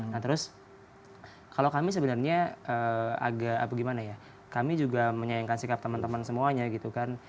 nah terus kalau kami sebenarnya agak apa gimana ya kami juga menyayangkan sikap teman teman semuanya gitu kan